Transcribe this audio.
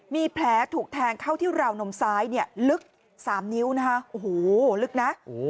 มีแผลถูกแทงเข้าที่ราวนมซ้ายเนี่ยลึก๓นิ้วนะคะโอ้โหลึกนะ